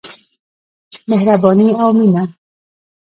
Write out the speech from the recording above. مهرباني او مينه.